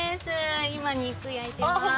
今肉焼いてます。